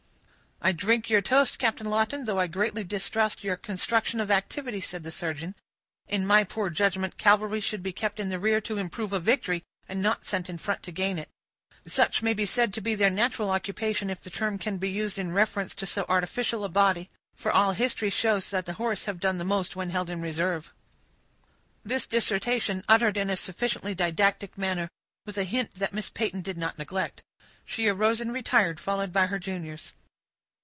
"I drink your toast, Captain Lawton, though I greatly distrust your construction of activity," said the surgeon. "In my poor judgment, cavalry should be kept in the rear to improve a victory, and not sent in front to gain it. Such may be said to be their natural occupation, if the term can be used in reference to so artificial a body; for all history shows that the horse have done most when held in reserve." This dissertation, uttered in a sufficiently didactic manner, was a hint that Miss Peyton did not neglect. She arose and retired, followed by her juniors.